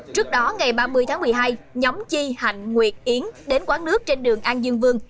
trước đó ngày ba mươi tháng một mươi hai nhóm chi hạnh nguyệt yến đến quán nước trên đường an dương vương